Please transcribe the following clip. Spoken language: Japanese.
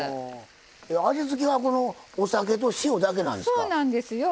味付けはお酒と塩だけなんですか。